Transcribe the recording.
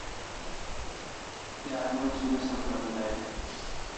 Yar moc' ne sapr'em day